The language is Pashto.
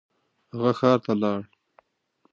هغه ښار ته لاړ.